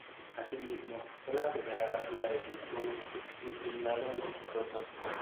Así mismo, fue la primera válvula de disco inclinado exitosa.